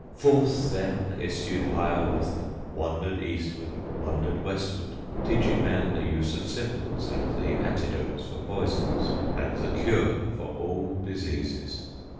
Forth then issued Hiawatha, Wandered eastward, wandered westward, Teaching men the use of simples And the antidotes for poisons, And the cure of all diseases.